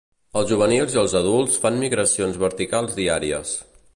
Els juvenils i els adults fan migracions verticals diàries.